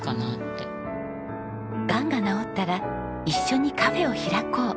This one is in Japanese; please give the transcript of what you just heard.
がんが治ったら一緒にカフェを開こう。